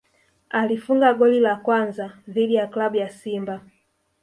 alifunga goli la kwanza dhidi ya klabu ya Simba